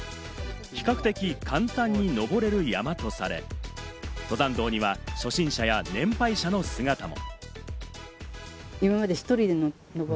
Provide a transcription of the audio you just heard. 比較的簡単に登れる山とされ、登山道には初心者や年配者の姿も。